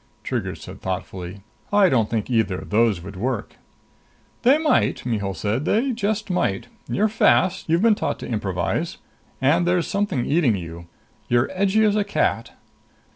Trigger said thoughtfully, "I don't think either of those would work." "They might," Mihul said. "They just might! You're fast. You've been taught to improvise. And there's something eating you. You're edgy as a cat."